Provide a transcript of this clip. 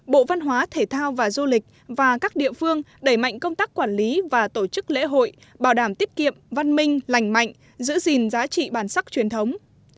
bộ văn hóa thể thao và du lịch và các địa phương đẩy mạnh công tác quản lý và tổ chức lễ hội bảo đảm tiết kiệm văn minh lành mạnh giữ gìn giá trị bản sắc truyền thống